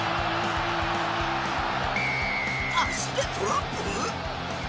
足でトラップ？